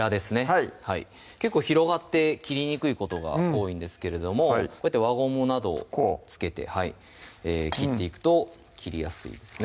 はい結構広がって切りにくいことが多いんですけれどもこうやって輪ゴムなどを付けて切っていくと切りやすいですね